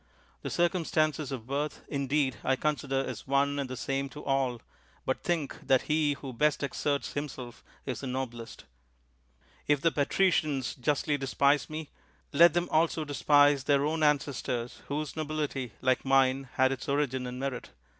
The circumstances of birth, indeed, I consider as one and the same to all ; but think that he who best exerts himself is the noblest. If the patricians justly despise me, let them also despise their own ancestors, whose nobility, like mine, had its origin in merit.